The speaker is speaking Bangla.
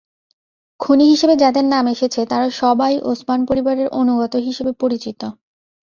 খুনি হিসেবে যাদের নাম এসেছে, তারা সবাই ওসমান পরিবারের অনুগত হিসেবে পরিচিত।